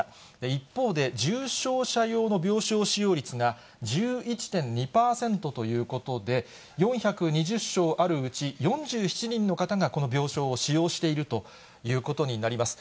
一方で、重症者用の病床使用率が１１．２％ということで、４２０床あるうち４７人の方が、この病床を使用しているということになります。